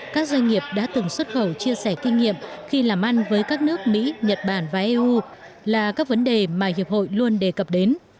các doanh nghiệp đã từng xuất khẩu chia sẻ kinh nghiệm khi làm ăn với các nước mỹ nhật bản và eu là các vấn đề mà hiệp hội luôn đề cập đến